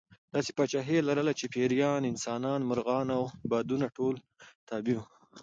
داسې پاچاهي یې لرله چې پېریان، انسانان، مرغان او بادونه ټول تابع وو.